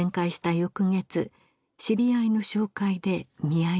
翌月知り合いの紹介で見合い